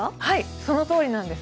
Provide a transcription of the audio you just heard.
そのとおりなんです。